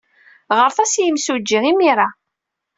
Ɣret-as i yimsujji imir-a.